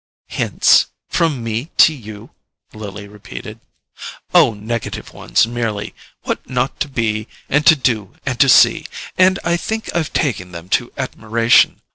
"Hints—from me to you?" Lily repeated. "Oh, negative ones merely—what not to be and to do and to see. And I think I've taken them to admiration.